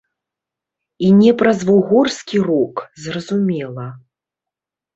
І не праз вугорскі рок, зразумела.